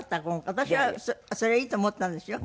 私はそれがいいと思ったんですよ。